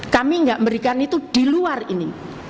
kami tidak memberikan itu di luar ini